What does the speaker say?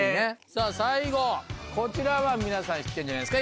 さぁ最後こちらは皆さん知ってるんじゃないですか。